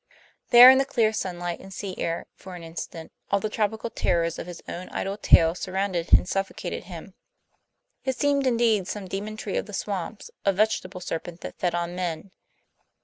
There in the clear sunlight and sea air, for an instant, all the tropical terrors of his own idle tale surrounded and suffocated him. It seemed indeed some demon tree of the swamps; a vegetable serpent that fed on men.